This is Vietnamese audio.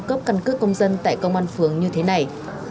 cấp căn cước công dân tại công an phường như thế này